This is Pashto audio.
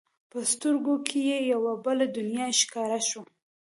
په سترګو کې یې یوه بله دنیا ښکاره شوه.